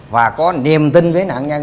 và có niềm tin với nạn nhân